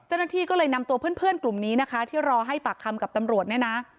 เจ้าหน้าที่ก็เลยนำตัวเพื่อนกลุ่มนี้นะคะที่รอให้ปากคำกับตำรวจเนี่ยนะ